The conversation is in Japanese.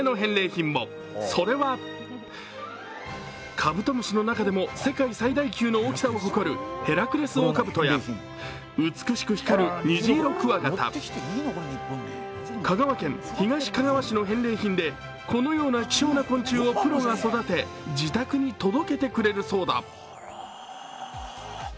かぶとむしの中でも世界最大級のヘラクレスオオカブトや美しく光るニジイロクワガタ香川県東かがわ市の返礼品でこのような希少な昆虫をプロが育て、自宅に届けてくれるそうだ。